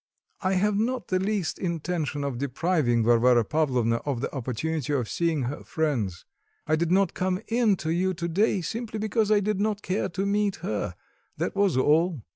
I have not the least intention of depriving Varvara Pavlovna of the opportunity of seeing her friends; I did not come in to you to day simply because I did not care to meet her that was all."